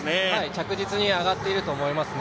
着実に上がっていると思いますね。